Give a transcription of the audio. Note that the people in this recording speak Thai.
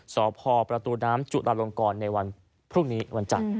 สพประตูน้ำจุลาลงกรในวันพรุ่งนี้วันจันทร์